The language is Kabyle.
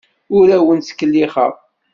Ur awent-ttkellixeɣ.